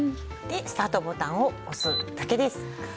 でスタートボタンを押すだけです。